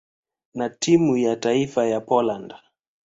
na timu ya taifa ya Poland.